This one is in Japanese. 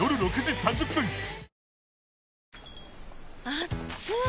あっつい！